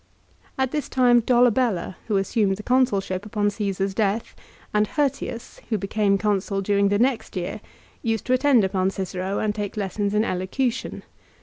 At this time Dolabella, who assumed the Consulship upon Caesar's death, and Hirtius, who became Consul during the next year, used to attend upon Cicero and take lessons in elocution.